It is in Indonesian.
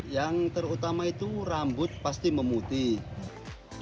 yang terutama itu rambut pasti memutih